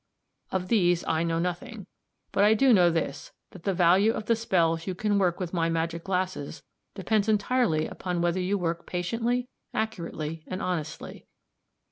Of these I know nothing, but I do know this, that the value of the spells you can work with my magic glasses depends entirely upon whether you work patiently, accurately, and honestly.